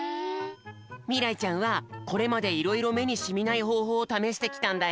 みらいちゃんはこれまでいろいろめにしみないほうほうをためしてきたんだよ。